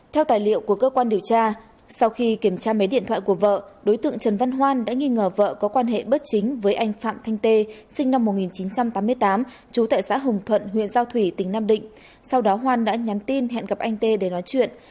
theo tài liệu của cơ quan điều tra sau khi kiểm tra máy điện thoại của vợ đối tượng trần văn hoan đã nghi ngờ vợ có quan hệ bất chính với anh phạm thanh tê sinh năm một nghìn chín trăm tám mươi tám trú tại xã hồng thuận huyện giao thủy tỉnh nam định sau đó hoan đã nhắn tin hẹn gặp anh tê để nói chuyện